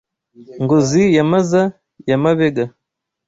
Ngozi ya Maza ya Mabega